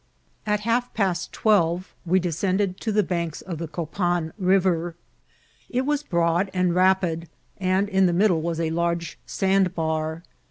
At half past twelve we descended to the banks of the Copan River. It was broad and rapid, and in the mid dle was a large sandbar.